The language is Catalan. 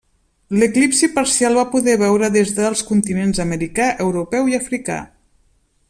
L'eclipsi parcial va poder veure des dels continents americà, europeu i africà.